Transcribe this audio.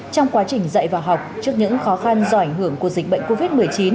trong quá trình dạy và học trước những khó khăn do ảnh hưởng của dịch bệnh covid một mươi chín